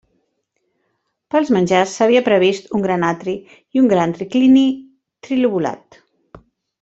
Per als menjars s'havia previst un gran atri i un gran triclini trilobulat.